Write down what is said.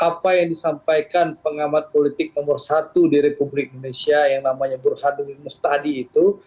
apa yang disampaikan pengamat politik nomor satu di republik indonesia yang namanya burhanuddin muhtadi itu